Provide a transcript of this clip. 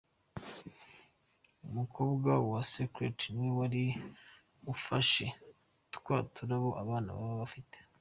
Umukobwa we Scarlett niwe wari ufashe twa turabo abana baba bafite.